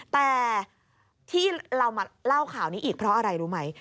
แต่ที่เรามาเล่าข่าวนี้อีกเพราะอะไรรู้ไหม